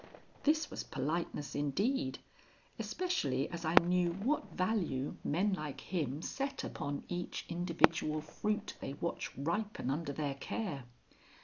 This was politeness indeed, especially as I knew what value men like him set upon each individual fruit they watch ripen under their care.